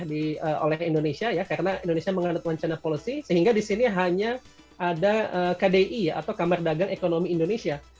jadi oleh indonesia ya karena indonesia mengadakan wancana polisi sehingga disini hanya ada kdi ya atau kamar dagang ekonomi indonesia